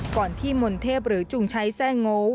ก่อนที่มลเทพหรือจุงใช้แทร่งง